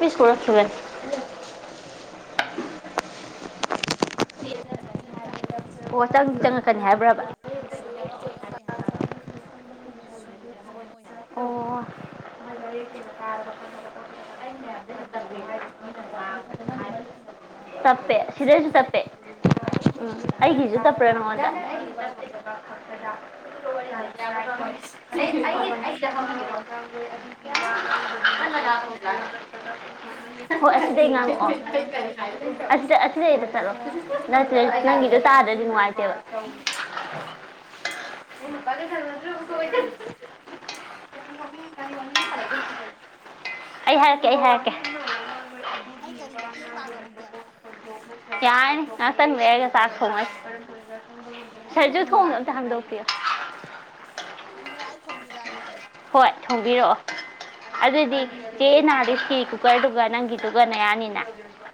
ꯃꯤ school ꯁꯨꯔꯦ ꯇꯦ - ꯇꯦ ꯆꯪꯖꯔꯛ ꯀꯅꯤ ꯍꯥꯏꯁꯦ ꯑꯣ ꯆꯪꯗꯤ ꯆꯪꯉꯛꯀꯅꯤ ꯍꯥꯏꯕ꯭ꯔꯕ ꯑ ꯁꯨꯗꯗꯤ ꯆꯪꯉꯛꯑꯣꯏ ꯍꯥꯏꯁꯦ ꯃꯥꯅ꯫ ꯁꯨꯅꯗꯤ ꯆꯪꯉꯛꯑꯣꯏ ꯍꯥꯏ ꯑꯣ [unintelligible] ꯑꯩ ꯃꯌꯥꯝꯗꯁꯨ ꯇꯞꯄꯦꯕ ꯃꯤꯅ ꯉꯥꯡ ꯍꯥꯏꯕꯗ ꯇꯞꯄꯦ ꯁꯤꯗꯖꯨ ꯇꯥꯞꯄꯦ꯫ ꯑꯗꯨꯗꯁꯨ ꯇꯞꯄ꯭ꯔꯥ ꯎꯝ ꯅꯍꯥꯟꯒꯩ ꯑꯩꯒꯤꯁꯨꯨ ꯇꯞꯄꯔꯥ ꯅꯉꯣꯟꯗꯥ? ꯅꯪꯒꯤꯗꯤ ꯇꯞꯇꯦ ꯍꯣꯏ ꯍꯣꯏ ꯀꯔꯤ ꯑꯁꯤꯗ ꯉꯥꯡꯉꯛꯑꯣ ꯍꯥꯏꯗꯣꯏꯅꯣ ꯑꯩ ꯀꯔꯤ ꯍꯥꯏꯔꯛꯎꯒꯦ ꯑꯁ ꯑꯁꯤꯗ ꯑꯁꯤꯗꯩꯗ ꯆꯠꯂꯑꯣ꯫ ꯅꯠꯇꯁ ꯅꯪꯒꯤꯗꯣ ꯇꯥꯗ꯭ꯔꯗꯤ ꯅꯨꯡꯉꯥꯏꯇꯦꯕ ꯌꯥꯝ ꯅꯣꯛꯅꯤꯡꯉꯤ ꯀꯔꯤ ꯋꯥꯔꯤꯅ ꯁꯥꯟꯅꯗꯣꯏꯁꯤꯕꯨ ꯑꯩ ꯍꯥꯏꯔꯛꯀꯦ ꯑꯩ ꯍꯥꯏꯔꯛꯀꯦ ꯑꯩ ꯀꯔꯤ ꯃꯇꯦꯡ ꯄꯥꯡꯉꯛꯎꯒꯦ? ꯌꯥꯏ ꯑꯁꯅ ꯦꯒ ꯁꯥꯈꯣ ꯃꯁ ꯑꯩ ꯐꯔꯁꯨ ꯊꯣꯡ ꯊꯣꯡꯉꯛꯑꯣꯔꯥ ꯊꯟꯗꯧ ꯄꯣ ꯏꯟ꯭ꯔꯥ ꯑꯩ ꯊꯣꯡꯤꯔꯑꯒꯦ ꯍꯣꯏ ꯊꯣꯡꯕꯤꯔꯛꯑꯣ ꯑꯗꯨꯗꯤ ꯆꯦ ꯅꯥꯔꯁꯤ ꯀꯨꯀꯔꯗꯨꯒ ꯅꯪꯒꯤꯗꯨꯒ ꯅꯌꯥꯅꯤꯅ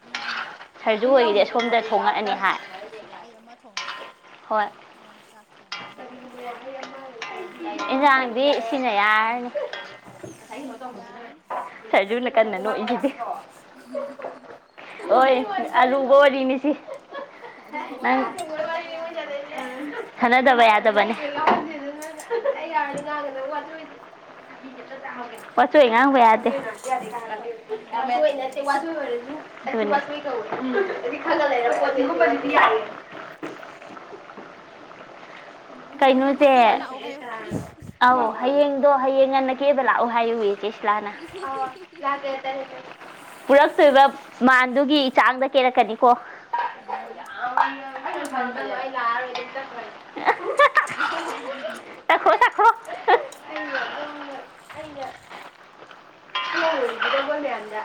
ꯎꯝ ꯎꯝ ꯃꯥ ꯑꯃ ꯊꯣꯡꯖꯔꯅꯤ ꯊꯣꯡꯉꯛꯑꯅꯤ ꯑꯩ ꯍꯥꯏ ꯁꯤꯗ ꯑꯩ ꯑꯃ ꯊꯣꯡꯉꯥꯛꯒꯦ ꯍꯣꯏ ꯏꯟꯖꯥꯡꯗꯤ ꯁꯤꯅ ꯌꯥꯔꯅꯤ ꯌꯥꯔꯅꯤ ꯁꯥꯏꯖ ꯂ ꯀꯟꯅ ꯅꯣ ꯏꯒꯤꯗꯤ ꯑꯣꯏꯣꯏ ꯑꯂꯨꯒꯗꯤꯅꯤꯁꯤ ꯑꯗꯨꯒ ꯑꯪ ꯋꯥꯔꯤꯁꯦ ꯁꯥꯟꯅꯗꯕ ꯌꯥꯗꯕꯅꯤ ꯊꯅꯗꯕ ꯌꯥꯗ ꯆꯕꯅꯤ ꯁꯥꯟꯅꯗꯕ ꯌꯥꯔ ꯌꯥꯗꯕꯅꯤ ꯒꯗ ꯑꯗꯨ ꯑꯣꯏ ꯋꯥꯆꯣ ꯍꯉꯥꯡ ꯄꯦ ꯇꯧꯗꯕ ꯌꯥꯗꯕꯅꯦ ꯃꯁꯤ ꯎꯝ ꯗꯤ ꯈꯪꯒ ꯂꯩꯔ ꯄꯣꯠꯇ ꯔ [unintelligible] ꯍꯌꯦꯡ ꯉꯟꯅ ꯀꯩꯅꯣꯁꯦ ꯀꯦꯕ ꯂꯥꯛꯑꯣ ꯍꯥꯏꯌꯣ ꯑꯧ ꯍꯌꯦꯡ ꯑꯗꯣ ꯍꯌꯦꯡ ꯉꯟꯅ ꯀꯦꯕ ꯂꯥꯛꯎ ꯍꯥꯏꯌꯨꯏ ꯥꯅ ꯄꯨꯔꯛꯇꯣꯏꯕ ꯃꯥꯟꯗꯨꯒꯤ ꯆꯥꯡꯗ ꯀꯦꯔꯛꯀꯅꯤꯀꯣ ꯑ ꯐ ꯂꯔ ꯑꯣꯏ [unintelligible] ꯎ ꯎꯝ ꯊꯒ ꯃ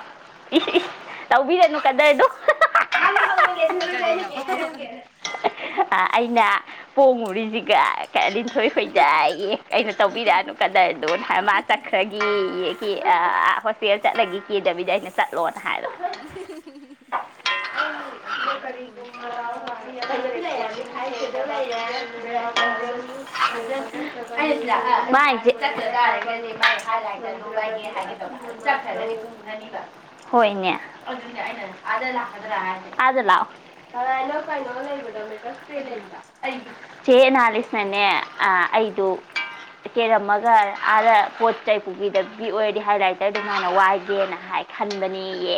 ꯂꯧꯕꯤꯔꯅꯨ ꯀꯗꯔꯗꯣ ꯀꯔꯤꯅꯣ ꯑꯥ ꯑꯩꯅ ꯄꯣꯡꯉꯨꯔꯤꯁꯤꯒ ꯂꯤꯟꯊꯣꯏ ꯍꯣꯏꯗꯥꯏꯌꯦ ꯑꯩꯅ ꯇꯧꯕꯤꯔꯛꯑꯅꯨ ꯀꯗꯥꯏꯗꯣꯅ ꯍꯥꯏ ꯃꯥ ꯆꯠꯈ꯭ꯔꯒꯦ ꯍ ꯄ ꯆꯠꯂꯒ ꯀꯦꯗꯕꯤꯗ ꯑꯩ ꯆꯠꯂꯣꯅ ꯍꯥꯏꯔꯣ ꯇꯧꯕꯤꯔꯛꯑ ꯂꯣꯏ ꯍꯣꯏꯅꯦ ꯑꯗ ꯂꯥꯛꯑꯣ ꯑ ꯀꯔꯤꯅꯣ ꯑꯩ ꯆꯦ ꯑꯦꯅꯥꯂꯤꯁꯅꯅꯦ ꯑꯩꯗꯨ ꯆꯦꯔꯝꯃꯒ ꯑꯥꯗ ꯄꯣꯠ ꯆꯩ ꯄꯨꯕꯤꯗꯕꯕꯤ ꯑꯣꯏꯔꯗꯤ ꯍꯥꯏ ꯂꯥꯏꯇꯔꯗ ꯃꯥꯥꯏꯅ ꯋꯥꯏꯒꯦꯅ ꯍꯥꯏ ꯈꯟꯕꯅꯤꯌꯦ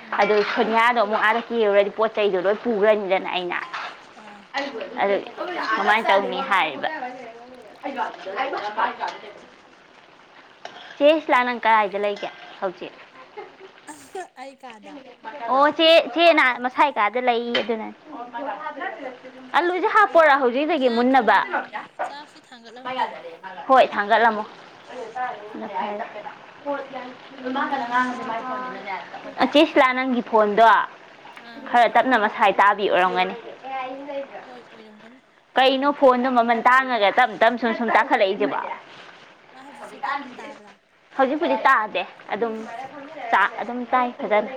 ꯎꯝ ꯑꯗꯨ ꯁꯣꯏꯅꯤꯌꯥꯗꯣ ꯑꯃꯨꯛ ꯑꯥꯔ ꯀꯦꯔꯨꯔꯗꯤ ꯄꯣꯠ ꯆꯩꯗꯨꯣ ꯂꯣꯏ ꯄꯨꯈ꯭ꯔꯅꯤꯗꯅ ꯑꯩꯅ ꯑꯥ ꯑꯗꯨ ꯀꯃꯥꯏꯅ ꯇꯧꯅꯤ ꯍꯥꯏꯔꯤꯕ ꯆꯦ ꯁꯤꯂꯥ ꯅꯪ ꯀꯗꯥꯥꯏꯗ ꯂꯩꯒꯦ ꯍꯧꯖꯤꯛ ꯑꯩ ꯀꯗ ꯑꯣ ꯆꯦ ꯆꯦꯅ ꯃꯁꯥꯏ ꯀꯥꯗ ꯂꯩ ꯑꯗꯨꯅ ꯑꯂꯨꯁꯦ ꯍꯄꯣꯔꯥ ꯍꯧꯖꯤꯛꯇꯥꯒꯤ ꯆꯥꯛ ꯃꯨꯟꯅꯕ ꯊꯣꯡ ꯆꯥꯛꯁꯤ ꯊꯥꯡꯒꯠꯂꯝꯒꯦ ꯍꯣꯏ ꯊꯥꯡꯒꯠꯂꯝꯃꯣ ꯑꯆꯦꯁꯤꯂꯥ ꯅꯪꯒꯤ ꯐꯣꯟꯗꯣ ꯑꯥ ꯈꯔ ꯇꯞꯅ ꯃꯁꯥꯏ ꯆꯥꯕꯤꯎꯔꯝꯒꯅꯤ ꯌꯥ ꯍꯣꯏ ꯑꯣꯏꯔꯝꯒꯅꯤ ꯀꯩꯅꯣ ꯑꯗꯨꯅꯅꯤ ꯐꯣꯟꯗꯣ ꯃꯃꯜ ꯇꯥꯡꯉꯒ ꯇꯞ ꯃꯇꯝ ꯁꯨꯝ ꯁꯨꯝ ꯇꯥꯈꯠꯂꯛꯏꯁꯦꯕꯣ ꯃꯥ ꯍꯧꯖꯤꯛꯁꯨ ꯇꯞꯅ ꯇꯥꯕ꯭ꯔꯥ ꯍꯧꯖꯤ ꯑꯩꯈꯗꯤ ꯇꯥꯑꯗꯦ ꯑꯗꯨꯝ ꯑꯗꯨꯝ ꯇꯥꯏ ꯐꯖꯅ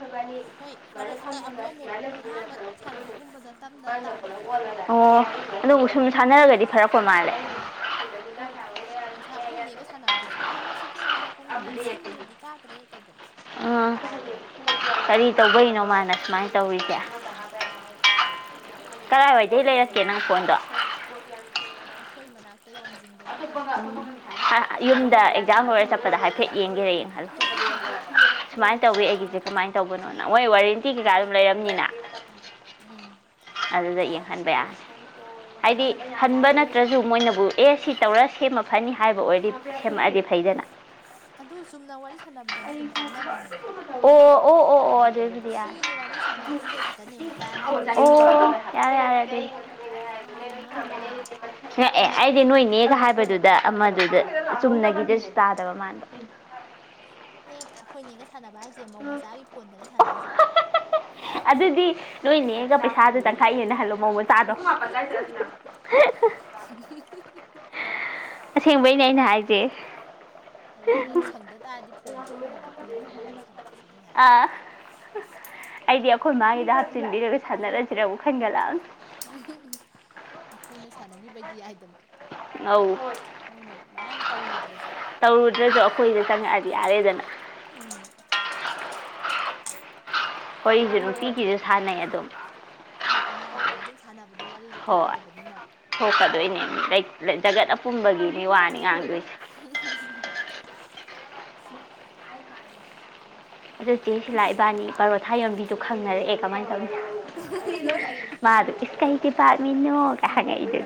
ꯁꯕꯥꯅꯤ ꯍꯣꯏ ꯃ ꯃꯔꯛꯇ ꯑꯃꯨꯛ ꯑꯃꯨꯛ ꯐꯂꯒꯁꯤꯅ ꯑꯍꯥꯟꯕ ꯁꯥꯟꯅꯕꯒꯨꯝꯕꯗ ꯇꯞꯅ ꯂ ꯇꯥꯕꯤ ꯊ ꯑꯣ ꯑꯣ ꯑꯣꯏꯕ ꯃꯥꯜꯂꯦ ꯍꯣꯏ ꯉꯁꯥꯏ ꯑꯩꯈꯣꯏ ꯅꯒ ꯁꯥꯟꯅꯕꯗꯁꯨ ꯀꯩꯅꯣ ꯁꯤꯗꯤ ꯅꯥꯀꯨꯝꯕꯗ ꯅꯞꯁꯤꯟꯗ꯭ꯔꯗꯤ ꯇꯥꯗ꯭ꯔꯦ ꯇꯧꯗꯅ ꯑꯥ ꯀꯔꯤ ꯇꯧꯕꯒꯤꯅꯣ ꯃꯥꯅ ꯁꯨꯃꯥꯏꯅ ꯇꯧꯔꯤꯁꯦ ꯀꯔꯥꯏꯋꯥꯏꯗ ꯑꯗꯨꯅꯤ ꯂꯩꯔꯛꯀꯦ ꯅꯪ ꯐꯣꯟꯗꯣ ꯑꯩꯈꯣꯏ ꯃꯅꯥꯛ ꯑ ꯌꯨꯝꯗ ꯑꯦꯛꯖꯥꯝ ꯍꯧꯔꯒ ꯆꯠꯄꯗ ꯍꯥꯏꯐꯦꯠ ꯌꯦꯡꯒꯦꯔꯌꯦꯡ ꯈꯜꯂ ꯁꯨꯃꯥꯏꯅ ꯇꯧꯏ ꯑꯩꯒꯤꯁꯦ ꯀꯃꯥꯏꯅ ꯇꯧꯕꯅꯣꯅ ꯍꯣꯏ ꯋꯥꯔꯦꯟꯇꯤ ꯀꯩꯀꯥ ꯑꯗꯨꯝ ꯂꯩꯔꯝꯅꯤꯅ ꯎꯝ ꯑꯗꯨꯗ ꯇ ꯍꯟꯕ ꯌꯥꯅꯤ ꯍꯥꯏꯗꯤ ꯍꯟꯕ ꯅꯠꯇ꯭ꯔꯁꯨ ꯃꯣꯏꯅꯕꯨ ꯑꯦ ꯁꯤ ꯇꯧꯔ ꯁꯦꯝꯃ ꯐꯅꯤ ꯍꯥꯏꯕ ꯑꯣꯏ ꯁꯦꯝꯃꯛꯑꯗꯤ ꯐꯩꯗꯅ ꯑꯗꯨ ꯆꯨꯝꯅ ꯋꯥꯔꯤ ꯁꯥꯟꯅꯕꯗꯗꯤ ꯑꯗꯨꯝ ꯇꯥꯟꯅꯕꯅꯦꯃ ꯑꯣ ꯑꯣ ꯑꯣ ꯑꯣ ꯑꯖꯗꯤ ꯌꯥ ꯁꯤꯒꯤ ꯋꯥꯔꯤ ꯁꯥꯟꯅꯕꯁꯤꯗ ꯈꯛꯇꯅꯦꯕ ꯑꯣ ꯇꯥꯟꯅꯗ꯭ꯔꯤꯁꯦ ꯀ ꯌꯥꯔ ꯃꯥꯁꯨ ꯉꯛꯇ꯭ꯔꯥ ꯑꯦ ꯑꯩꯗꯤ ꯅꯣꯏ ꯅꯣꯏꯅꯦꯒ ꯍꯥꯏꯕꯗꯨꯗ ꯃꯗꯨꯗ ꯆꯨꯝꯅꯒꯤꯗꯁꯨ ꯇꯥꯗꯕ ꯃꯥꯟꯕ ꯑꯦ ꯑꯩꯈꯣꯏꯅꯦꯒ ꯁꯥꯟꯅꯕ ꯍꯥꯏꯁꯦ ꯃꯧ ꯃꯆꯥꯒꯤ ꯐꯣꯟꯗꯅꯦ ꯁꯥꯟꯅꯩꯁꯦ ꯑꯗꯨꯗꯤ ꯅꯣꯏꯅꯦꯒ ꯄꯩꯁꯥꯗꯨ ꯇꯪꯈꯥꯏ ꯌꯦꯅ ꯍꯜꯂꯣ ꯃꯎ ꯃꯆꯥꯗꯣ ꯑꯁꯦꯡꯕꯩꯅꯦ ꯑꯩꯅ ꯍꯥꯏ ꯆꯦ ꯍꯥꯏꯕꯗꯤ ꯅꯪ ꯁꯪꯗ ꯇꯥꯔꯗꯤ ꯐꯣꯟꯗꯣ ꯑꯩꯈꯣꯏ ꯅꯦꯗ ꯄꯤꯌꯣ ꯑꯩ ꯋꯥꯔꯤ ꯁꯅ ꯑ ꯑꯩꯗꯤ ꯑꯩꯈꯣꯏ ꯃꯥꯒꯤꯗ ꯍꯥꯞꯆꯤꯟꯕꯤꯔꯒ ꯁꯥꯟꯅꯔ [unintelligible] ꯈꯟꯒꯠꯂꯀꯥꯕꯅꯤ ꯑꯩꯈꯣꯏꯅ ꯁꯥꯟꯅꯈꯤꯕꯩꯗꯤ ꯌꯥꯏꯗꯅ ꯑꯧ ꯃꯣꯏꯅ ꯃꯌꯥꯝ ꯇꯧꯔꯨꯗ꯭ꯔꯁꯨ ꯇꯧꯔꯨꯗ꯭ꯔꯁꯨ ꯑꯩꯈꯣꯏꯗ ꯆꯪꯉꯛꯑꯗꯤ ꯌꯥꯔꯦꯗꯅ ꯎꯝ ꯍꯈꯣꯏꯁꯨ ꯑꯗꯨꯝ ꯅꯨꯄꯤꯒꯤꯁꯨ ꯁꯥꯟꯅꯩ ꯑꯗꯨꯝ ꯍꯣꯏ ꯏꯃꯥꯒꯗꯤ ꯑꯗꯨꯝ ꯁꯥꯟꯅ__ ꯍꯣꯏ ꯊꯣꯛꯀꯗꯣꯏꯅꯦ ꯖꯒꯠ ꯑꯄꯨꯝꯕꯒꯤ ꯃꯤ ꯋꯥꯅꯤ ꯉꯥꯡꯗꯣꯏꯁꯦ [unintelligible] ꯑꯗꯨ ꯆꯦ ꯁꯤꯂꯥ ꯏꯕꯥꯅꯤ ꯄꯔꯣꯊꯥ ꯌꯣꯟꯕꯤꯗꯨ ꯈꯪꯅꯔꯛꯑꯦ ꯀꯃꯥꯏ ꯇꯧ__ ꯃꯥ ꯑꯗꯨ ꯏꯁ ꯀꯩ__ ꯗꯤꯄꯥꯔꯠꯃꯦꯟꯅꯣꯒ ꯍꯪꯉꯛꯏꯗꯨꯗꯤ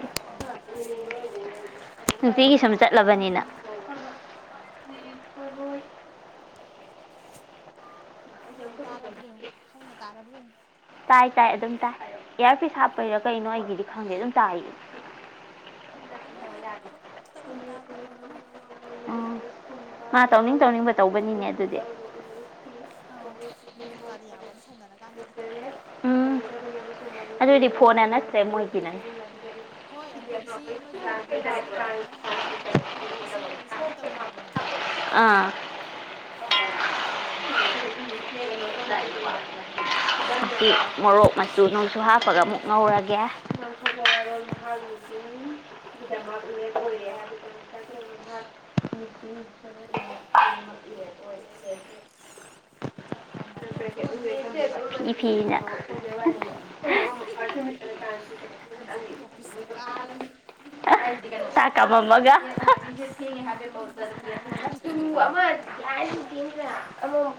ꯅꯨꯇꯤꯒꯤ ꯁꯨꯝ ꯆꯠꯂꯕꯅꯤꯅ ꯑꯧ ꯍꯣꯏ ꯇꯔꯥꯕ꯭ꯔꯦ ꯍꯎꯅ ꯇꯥꯔ__ ꯂꯕ ꯇꯥꯏ ꯇꯥꯏ ꯑꯗꯨꯝ ꯇꯥꯏ ꯏꯌꯥꯔꯄꯤꯁ ꯍꯥꯞꯄꯩꯔꯥ ꯀꯩꯅꯣ ꯑꯩꯒꯤꯗꯤ ꯈꯪꯗꯦ ꯑꯗꯨꯝ ꯇꯥꯏ ꯑꯃꯨꯛ ꯑꯃꯨꯛ ꯇꯞꯅ ꯇꯥꯕ ꯑꯣꯏꯔ ꯃꯥꯜꯂꯦ ꯎꯝ ꯃꯥ ꯇꯧꯅꯤꯡ ꯇꯧꯅꯤꯡꯕ ꯇꯧꯕꯅꯤꯅꯦ ꯑꯗꯨꯗꯤ ꯑꯎ ꯑꯗꯨꯁꯨ ꯀꯥꯔꯤꯌꯥ ꯋꯥꯔꯤ ꯁꯥꯟꯅꯔꯀꯥꯟꯗ ꯈꯛꯇ ꯑꯗꯨꯏꯗꯤ ꯐꯣꯟꯅ ꯅꯠꯇ꯭ꯔꯦ ꯃꯣꯏꯒꯤꯅꯅꯦ ꯍꯣꯏ ꯑꯗꯨ ꯏꯆꯦ ꯑꯃꯁꯨ ꯏꯆꯦ ꯔꯕꯤꯅꯥꯅ ꯍꯥꯏꯕꯗ ꯃꯣꯏꯒꯤ ꯏꯆꯦ ꯑꯃꯁꯨ ꯁꯨꯃꯥꯏꯅ ꯇꯧꯋꯦ ꯍꯥꯏꯕꯅꯦꯕ ꯑꯥ [unintelligible] ꯇꯞꯅ ꯇꯥꯌꯦꯅ ꯃꯣꯔꯣꯛ ꯃꯆꯨ ꯅꯣꯡꯁꯨ ꯍꯥꯞꯄꯒ ꯑꯃꯨꯛ ꯉꯧꯔꯒꯦ ꯆꯥꯛ ꯀꯥꯝꯃꯛꯑꯅꯤ ꯍꯧꯖꯤꯛ ꯐꯤ ꯐꯤꯅ ꯍꯧꯖꯤꯛ ꯑꯣꯐꯤꯁꯇ ꯀꯥꯔꯅꯤ ꯆꯥꯛꯀꯝꯃꯝꯃꯒ ꯍꯧꯖꯤꯛ ꯑꯣꯐꯤꯁ ꯀꯥꯕ ꯆꯠꯂꯅꯤ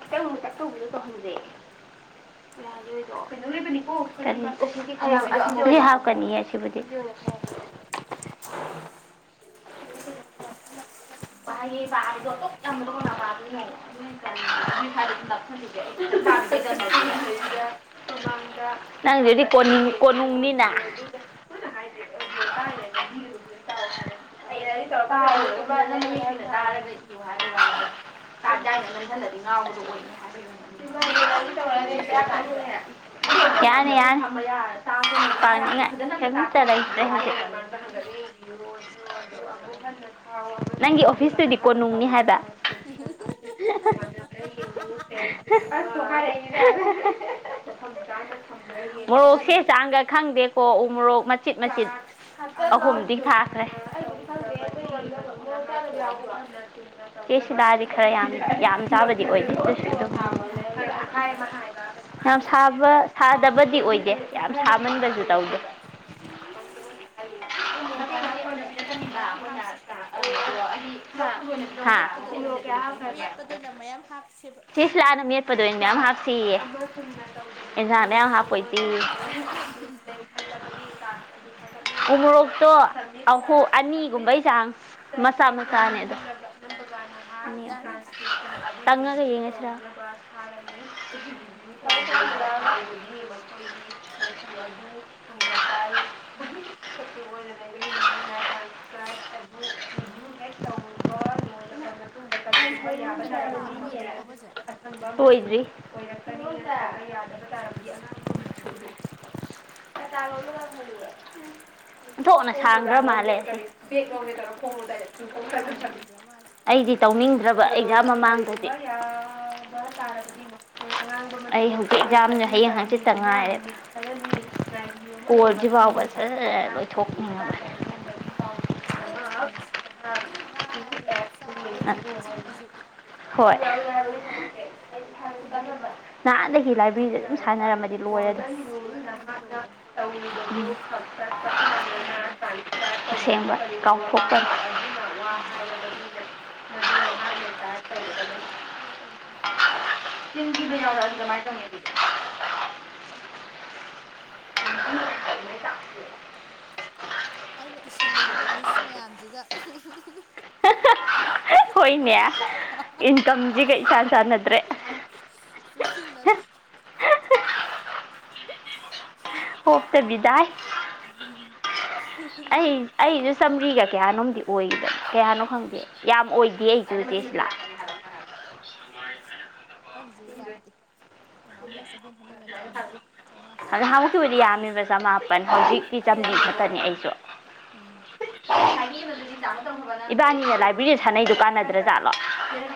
[unintelligible] [unintelligible] ꯅꯪ ꯑꯗꯨꯗꯤ ꯀꯣꯟꯅꯨꯡꯅꯤꯅ [unintelligible] ꯀꯔꯤ ꯃꯇꯦꯡ ꯄꯥꯡꯉꯧꯒꯦ ꯍꯥꯏꯔꯛꯑꯣ ꯌꯥꯔꯦ ꯌꯥꯔꯦ [unintelligible] [inaudible] ꯅꯪꯒꯤ ꯑꯣꯐꯤꯁꯇꯨꯗꯤ ꯀꯣꯅꯨꯡꯅꯤ ꯍꯥꯏꯕ [inaudible] [unintelligible] [inaudible] ꯀꯣꯅꯨꯡ ꯃꯣꯔꯣꯛꯁꯦ ꯀꯥꯔꯤꯕ ꯆꯥꯡꯒ ꯈꯪꯗꯦ ꯍꯣ ꯎ ꯃꯣꯔꯣꯛ ꯃꯆꯤꯠ ꯃꯆꯤꯠ ꯑꯍꯨꯝꯗꯤ ꯊꯥꯈ꯭ꯔꯦ [inaudible] ꯆꯦ ꯁꯤꯂꯥꯗꯤ ꯈꯔ ꯌꯥꯝ ꯌꯥꯝ ꯆꯥꯕꯗꯤ ꯑꯣꯏꯗꯦ ꯑꯗꯨ ꯌꯥꯝ ꯁꯥꯕ ꯁꯥꯗꯕꯗꯤ ꯑꯣꯏꯗꯦ ꯌꯥꯝ ꯁꯥꯃꯟꯕꯁꯨ ꯇꯧꯗꯦ ꯃꯣꯔꯣꯛ ꯃꯦꯠꯄꯗ ꯃꯌꯥꯝ ꯍꯥꯞꯁꯤ [inaudible] [inaudible] ꯍꯥ ꯃꯦꯠꯄꯗ ꯑꯣꯏꯅ [unintelligible] ꯃꯦꯠꯄꯗ ꯑꯣꯏꯅ ꯃꯌꯥꯝ ꯍꯥꯞꯁꯦꯕ ꯆꯦ ꯁꯤꯂꯥꯅ ꯃꯦꯠ ꯍꯥꯄꯗ ꯑꯣꯏꯅ ꯃꯌꯥꯝ ꯍꯥꯞꯁꯤꯌꯦ ꯑꯦꯟꯖꯥꯡ ꯃꯌꯥꯝ ꯍꯥꯞꯄꯣꯏꯁꯤ ꯎꯣꯔꯣꯛꯇꯣ ꯑꯍꯨꯝ ꯑꯅꯤꯒꯨꯝꯕꯩ ꯆꯥꯡ ꯃꯆꯥ ꯃꯆꯥꯅꯦ ꯑꯗ ꯍꯣꯏ ꯌꯥꯅꯤꯗ ꯇꯉꯒ ꯌꯦꯡꯉ [unintelligible] [inaudible] [inaudible] [unintelligible] [inaudible] ꯌꯥꯅꯤ ꯀꯩꯅꯣ ꯄꯥꯕ ꯂꯣꯏꯗ꯭ꯔꯤꯕꯣ ꯑꯃꯁꯦ ꯇꯣꯏꯗ꯭ꯔꯤ ꯑꯣꯟꯊꯣꯛꯅ ꯁꯥꯡꯈ꯭ꯔ ꯃꯥꯜꯂꯦ ꯁꯤ ꯑꯗꯨꯝ ꯄꯥꯗꯅ ꯂꯩꯈ꯭ꯔ ꯃꯥꯜꯂꯦ [unintelligible] [inaudible] ꯑꯩꯗꯤ ꯇꯧꯅꯤꯡ ꯇ꯭ꯔꯕ ꯑꯦꯛꯖꯥꯝ ꯃꯃꯥꯡꯗꯗꯤ ꯍꯣꯏ [unintelligible] ꯑꯩ ꯍꯧꯖꯤꯛ ꯑꯦꯛꯖꯥꯝꯗ ꯍꯌꯦꯡ ꯍꯪꯆꯤꯠꯇ ꯉꯥꯏꯔꯦꯕ ꯀꯣꯜꯁꯤ ꯐꯥꯎꯕ ꯁꯖ ꯂꯣꯏꯊꯣꯛꯅꯤꯡꯉꯕ ꯈꯔ ꯁꯥꯟꯅꯁꯤ ꯑꯗꯨꯝ ꯉꯥꯡ ꯉꯥꯡꯗꯅ ꯆꯥꯔꯁꯨ ꯆꯤꯛꯑꯁꯨ ꯍꯣꯏ ꯅꯍꯥꯟꯗꯒꯤ ꯂꯥꯏꯕ꯭ꯔꯦꯔꯤꯗ ꯑꯗꯨꯝ ꯁꯥꯟꯅꯔꯝꯃꯗꯤ ꯂꯣꯏꯔꯗ ꯁꯥꯟꯅꯔꯝꯃꯗꯤ ꯂꯣꯏꯔꯝꯃꯦ [inaudible] ꯚꯥꯞ ꯑꯣꯏꯗꯕꯅꯤ [unintelligible] ꯑꯁꯦꯡꯕ ꯀꯥꯎꯈꯣꯛꯄ [inaudible] [unintelligible] [inaudible] ꯑꯩꯅ ꯏꯁꯤꯜꯂꯨꯔꯤꯕ ꯂꯤꯁ ꯃꯌꯥꯝꯁꯤꯒ ꯍꯣꯏꯅꯦ ꯏꯟꯀꯝ [unintelligible] ꯏꯆꯥꯟ ꯆꯥꯟꯅꯗ꯭ꯔꯦ ꯆꯨꯁꯤꯟꯗꯦ ꯍꯣꯞꯇ ꯕꯤꯗꯥꯏ ꯎꯝ ꯑꯩ [inaudible] ꯑꯩꯁꯨ ꯆꯥꯝꯔꯤꯒ ꯀꯌꯥꯅꯣꯝꯗꯤ ꯑꯣꯏꯗꯅ ꯀꯌꯥꯅꯣ ꯈꯪꯗꯦ ꯌꯥꯝ ꯑꯣꯏꯗꯦ ꯑꯩꯁꯨ ꯆꯦ ꯁꯤꯂꯥ ꯍꯁꯨꯨ ꯌꯥ ꯌꯥꯝꯗꯦ ꯅꯍꯥꯟꯃꯨꯛꯅ ꯆꯍꯨꯝ ꯍꯟꯗꯛꯅ ꯆꯅꯤ ꯆꯥꯝꯃꯉꯥ ꯑꯗꯨꯗ ꯆꯥꯇ꯭ꯔꯨꯛ ꯍꯧꯗꯨꯛꯀꯤꯈꯤꯕꯕꯨꯗꯤ ꯌꯥꯝꯃꯤꯕ ꯆꯃꯥꯄꯟ ꯑꯗꯨꯃꯥꯏꯅ ꯍꯧꯖꯤꯛꯇꯤ ꯆꯥꯝꯃꯔꯤ ꯈꯛꯇꯅꯤ ꯑꯩꯁꯨ ꯎꯝ ꯏꯕꯥꯅꯤꯅ ꯂꯥꯏꯕ꯭ꯔꯦꯔꯤꯗ ꯁꯥꯟꯅꯩꯗꯨ ꯀꯥꯟꯅꯗ꯭ꯔꯥꯖꯥꯠꯂꯣ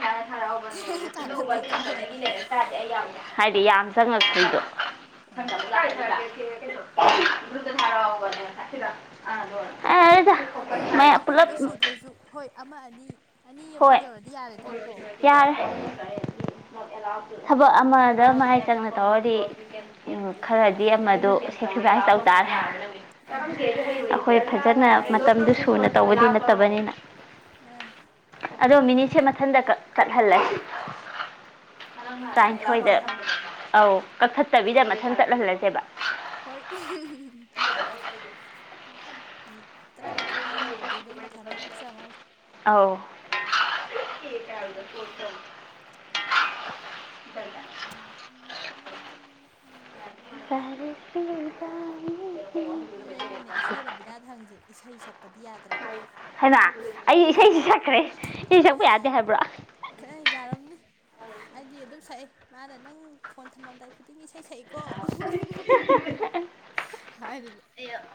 ꯍꯔꯕꯅꯦ ꯀꯥꯟꯅꯗ꯭ꯔ ꯖꯥꯠꯂ ꯂꯩꯔ [inaudible] ꯍꯥꯏꯗꯤ ꯌꯥꯝ ꯆꯪꯉꯛꯇ꯭ꯣꯏꯗꯣ ꯎꯝ ꯊ ꯗ ꯊꯔꯅꯦ ꯊꯂ ꯑ ꯂ ꯑꯗꯨ ꯑꯍꯨꯝꯗꯣ ꯁꯨꯗ꯭ꯔꯁꯨ ꯍꯣꯏ ꯑꯃ ꯑꯅꯤ ꯑꯅꯤꯕꯨꯛ ꯍꯣꯏ ꯌꯧꯔꯗꯤ ꯌꯥꯔꯦꯗ ꯀꯣ ꯍꯕ ꯑꯃ ꯑꯗ ꯃꯥꯏ ꯆꯪꯅ ꯇꯧꯔꯗꯤ ꯈꯔꯗꯤ ꯑꯃꯗꯨ ꯁꯦꯀ꯭ꯔꯤꯐꯥꯏꯁ ꯇꯧ ꯇꯥꯔꯦ ꯎꯝ ꯑꯩꯈꯣꯏ ꯐꯖꯅ ꯃꯇꯝꯗꯨ ꯁꯨꯅ ꯇꯧꯕꯗꯤ ꯅꯠꯇꯕꯅꯤꯅ ꯃꯅꯤ ꯑꯗꯣ ꯃꯤꯅꯤꯠꯁꯦ ꯃꯊꯟꯇ ꯀꯠꯍꯜꯂꯦ ꯃꯊ ꯍꯟꯖ ꯑꯧ ꯀꯛꯊꯠꯇꯕꯤꯗ ꯃꯊꯪ ꯆꯠꯍꯜꯂꯁꯦꯕ ꯍꯣꯏ ꯇꯔꯥꯅꯤꯊꯣꯏ ꯌꯧꯔꯗꯤ ꯑꯗꯨꯝ ꯃꯊꯟꯇ ꯀꯛꯆ ꯃꯥꯂꯦ ꯀ ꯇꯗ ꯊꯠꯇ [inaudible] ꯎꯝ ꯎꯝ ꯔꯁꯤꯅꯤ ꯑꯗꯨꯗꯩꯅꯅꯦ ꯏꯆꯦ ꯔꯕꯤꯅꯗꯥ ꯍꯪꯉꯤꯁꯤ ꯏꯁꯩ ꯁꯛꯄ ꯄꯗꯤ ꯌꯥꯗ꯭ꯔꯥ ꯍꯩꯃꯥ ꯑꯩ ꯏꯁꯩꯁꯤ ꯁꯛꯈ꯭ꯔꯦ ꯏꯁꯩ ꯁꯛꯄ ꯌꯥꯗꯦ ꯍꯥꯏꯕ꯭ꯔꯣ ꯈꯔ ꯌꯥꯔꯝꯅꯤ ꯑꯩꯗꯤ ꯑꯗꯨꯝ ꯁꯛꯏ ꯃꯥꯗ ꯅꯪ ꯐꯣꯟ ꯊꯝꯃꯂꯝꯝꯗꯥꯏ ꯑꯩꯈ ꯇꯤꯡ ꯏꯁꯩ ꯁꯛꯏꯀꯣ ꯍꯥꯏꯔꯤꯕ ꯑ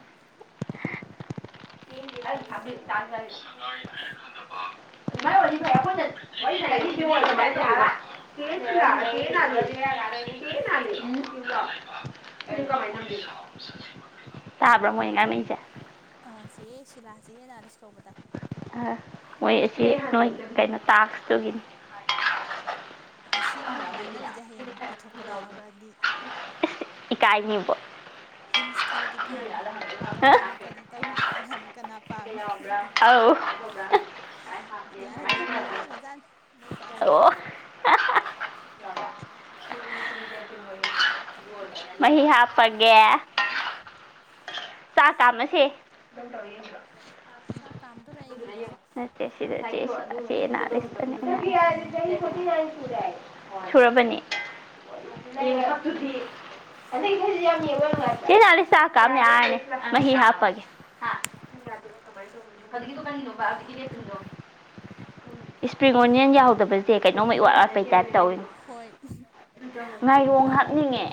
ꯇꯥꯕ꯭ꯔꯥ ꯃꯣꯏ ꯉꯥꯏꯃꯁꯦ ꯑꯥ ꯆꯦꯍꯦ ꯁꯤꯂꯥꯥꯁꯦ ꯍ ꯅꯥꯂꯤꯁ ꯂꯧꯕꯗꯥꯥꯏ ꯃꯣꯏ ꯑꯁꯤ ꯅꯣꯏ ꯀꯩꯅꯣ ꯇꯥꯛꯁꯇꯨꯒꯤꯅꯤ ꯑꯁꯤ ꯑꯩꯈꯣꯏꯅ ꯉꯥꯡꯅꯔꯤꯁꯦ ꯍꯌꯦꯡ ꯏꯊꯣꯛꯄꯗ ꯌꯥꯎꯔꯛꯑꯗꯤ ꯇꯥꯏꯕ ꯍꯤꯟꯁ ꯈꯔꯗꯤ ꯐꯪꯒꯅꯤ ꯀꯅꯥꯅ ꯀꯔꯤ ꯇꯧꯏ ꯇ [inaudible] ꯍꯥꯎ ꯍ ꯕꯤꯗ꯭ꯌꯥꯅ ꯂꯤꯕꯗ ꯌꯥꯎꯈ꯭ꯔꯖꯥꯠꯅꯤ ꯃꯣꯏ ꯀ꯭ꯂꯥꯁꯀꯤ ꯃ ꯍꯥꯞꯄꯒꯦ ꯆꯥꯛ ꯇꯥꯝꯃꯁꯦ ꯆꯥꯛ ꯀꯥꯝ- ꯅꯠꯇꯦ ꯁꯤꯗ ꯆꯦ ꯑꯩ ꯁꯤꯗ ꯆꯦ ꯅ ꯔꯦ ꯎꯝ ꯁꯤꯗꯅꯦ ꯎꯝ ꯁꯨꯔꯕꯅꯤ ꯆꯦ ꯅꯍꯥꯛ ꯂꯩ ꯆꯥꯛ ꯀꯥꯝ ꯌꯥꯔꯅꯤ ꯃꯍꯤ ꯍꯥꯞꯄꯒꯦ ꯍꯧꯖꯤꯛꯀꯤꯗꯣ ꯀꯔꯤꯅꯣꯕꯥ ꯍꯧꯖꯤꯛꯀꯤ ꯃꯦꯆꯤꯟꯗꯣ ꯏꯁꯄ꯭ꯔꯤꯡ ꯑꯣꯅꯤꯌꯟ ꯌꯥꯎꯗꯕꯁꯦ ꯀꯩꯅꯣꯝꯃ ꯏꯋꯥꯠ ꯋꯥꯠꯄꯩꯥ ꯇꯥꯏꯞ- ꯇꯧꯋꯦꯉꯣ ꯍꯣꯏ ꯉꯥꯏꯔꯣꯡ ꯍꯥꯞꯅꯤꯡꯉꯦ